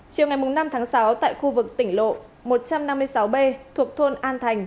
chiều ngày năm tháng sáu tại khu vực tỉnh lộ một trăm năm mươi sáu b thuộc thôn an thành